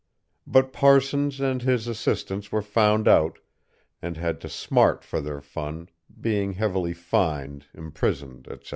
But Parsons and his assistants were found out, and had to smart for their fun, being heavily fined, imprisoned, etc.